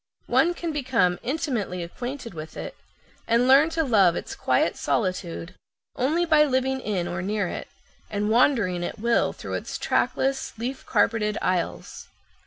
One can become intimately acquainted with it, and learn to love its quiet solitude, only by living in or near it, and wandering at will through its trackless, leaf carpeted aisles.